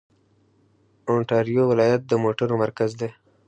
اونټاریو ولایت د موټرو مرکز دی.